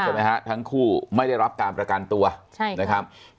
ฮะทั้งคู่ไม่ได้รับการประกันตัวใช่นะครับ